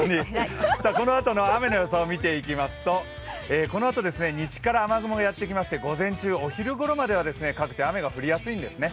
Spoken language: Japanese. このあとの雨の予想を見ていきますと、このあと西から雨雲がやってきまして午前中、お昼ごろまでは各地雨が降りやすいんですね。